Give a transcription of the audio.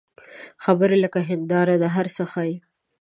خبرې لکه هنداره دي، هر څه ښيي